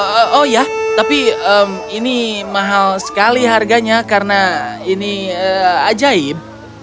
oh ya tapi ini mahal sekali harganya karena ini ajaib